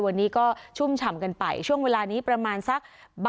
วันนี้ก็ชุ่มฉ่ำกันไปช่วงเวลานี้ประมาณสัก